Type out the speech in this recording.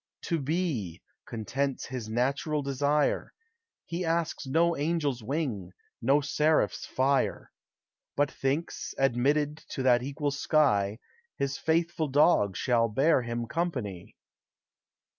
To Be, contents his natural desire; He asks no angel's wing, no seraph's fire; But thinks, admitted to that equal sky, His faithful dog shall bear him company.